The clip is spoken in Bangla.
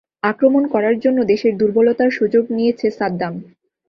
আক্রমণ করার জন্য দেশের দূর্বলতার সুযোগ নিয়েছে সাদ্দাম।